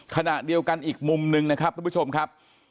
ขณะเดียวกันอีกมุมหนึ่งนะครับทุกผู้ชมครับ